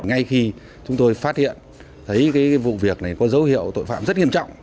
ngay khi chúng tôi phát hiện thấy vụ việc này có dấu hiệu tội phạm rất nghiêm trọng